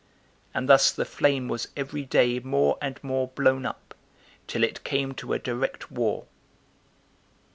And thus the flame was every day more and more blown up, till it came to a direct war.